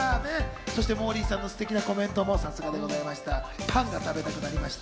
そしてモーリーさんのステキなコメントもさすがでした。